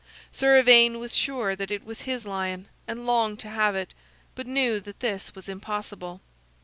Sir Ivaine was sure that it was his lion, and longed to have it, but knew that this was impossible.